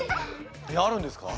あるんですか？